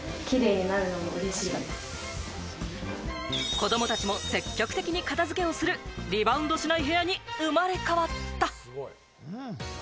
子供たちも積極的に片付けをする、リバウンドしない部屋に生まれ変わった。